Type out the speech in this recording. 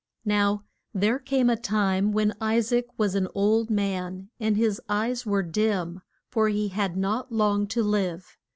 Now there came a time when I saac was an old man, and his eyes were dim, for he had not long to live.